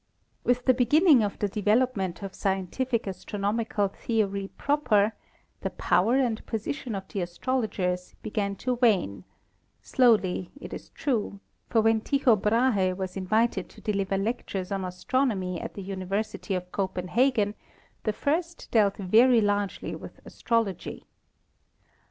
With the begin ning of the development of scientific astronomical theory proper the power and position of the astrologers began to wane — slowly, it is true, for when Tycho Brahe was in vited to deliver lectures on astronomy at the University of Copenhagen, the first dealt very largely with astrol ogy.